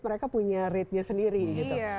mereka punya ratenya sendiri gitu